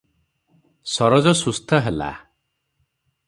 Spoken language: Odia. ସରୋଜ ସୁସ୍ଥ ହେଲା ।